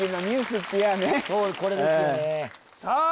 そうこれですよねさあ